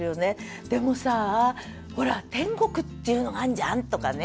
でもさあほら天国っていうのがあんじゃん」とかね。